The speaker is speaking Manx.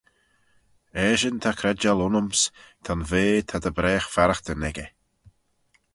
Eshyn ta credjal aynyms, ta'n vea ta dy bragh farraghtyn echey.